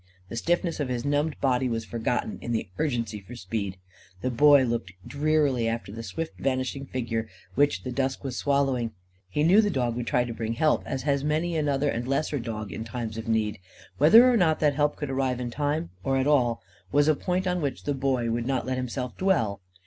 The stiffness of his numbed body was forgotten in the urgency for speed. The Boy looked drearily after the swift vanishing figure which the dusk was swallowing. He knew the dog would try to bring help; as has many another and lesser dog in times of need. Whether or not that help could arrive in time, or at all, was a point on which the Boy would not let himself dwell.